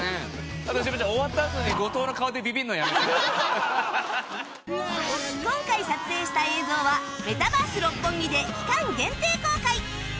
あとシュウペイちゃん終わったあとに今回撮影した映像はメタバース六本木で期間限定公開